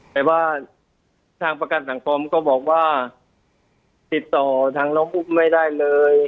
แต่ว่าทางประกันสังคมก็บอกว่าติดต่อทางน้องอุ๊บไม่ได้เลย